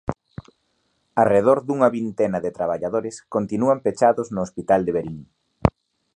Arredor dunha vintena de traballadores continúan pechados no hospital de Verín.